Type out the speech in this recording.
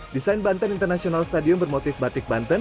desain banten international stadium bermotif batik banten